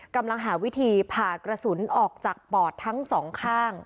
กำลังหาวิธีผ่ากระสุนออกจากปอดทั้งสองข้าง